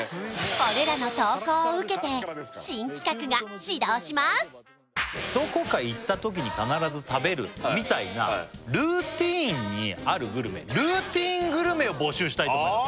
これらの投稿を受けてどこか行ったときに必ず食べるみたいなルーティンにあるグルメルーティングルメを募集したいと思います